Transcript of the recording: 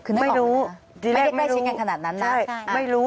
คือนึกออกแล้วนะไม่ได้ชินกันขนาดนั้นนะใช่ไม่รู้